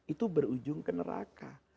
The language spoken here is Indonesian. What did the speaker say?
itu berujung ke neraka